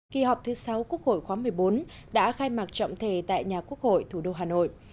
kỳ họp thứ sáu quốc hội khóa một mươi bốn đã khai mạc trọng thể tại nhà quốc hội thủ đô hà nội